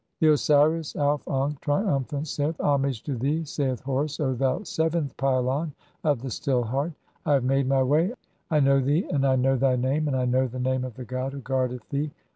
VII. (25) The Osiris Auf ankh, triumphant, saith :— "Homage to thee, saith Horus, O thou seventh pylon of the "Still Heart. I have made [my] way. I know thee, and I know "thy name, and I know the name of the god who guardeth "thee.